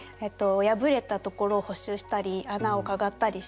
破れたところを補修したり穴をかがったりして。